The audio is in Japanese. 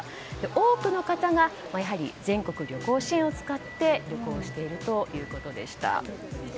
多くの方がやはり全国旅行支援を使って旅行しているということでした。